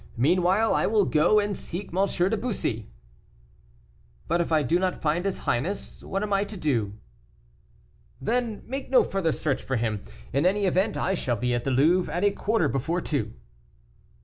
Meanwhile I will go and seek M. de Bussy." "But if I do not find his highness, what am I to do?" "Then make no further search for him. In any event I shall be at the Louvre at a quarter before two."